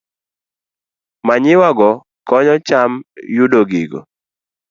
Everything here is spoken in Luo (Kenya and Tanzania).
Manyiwa go komyo cham yudo gigo